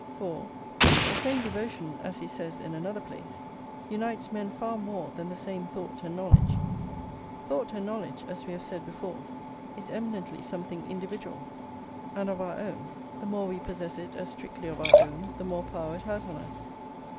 For, "The same devotion," as he says in another place, "unites men far more than the same thought and knowledge." Thought and knowledge, as we have said before, is eminently something individual, and of our own; the more we possess it as strictly of our own, the more power it has on us.